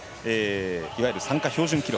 いわゆる参加標準記録